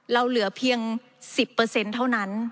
เราเหลือเพียง๑๐เท่านั้น